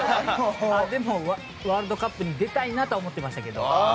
でも、ワールドカップに出たいなとは思ってましたけど。